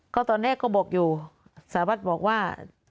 ก็ตอนแรกก็บอกอยู่สารวัตรบอกว่า